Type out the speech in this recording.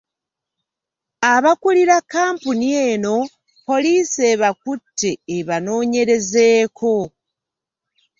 Abakulira kkampuni eno, poliisi ebakutte ebanoonyerezeeko.